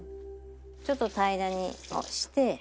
ちょっと平らにして。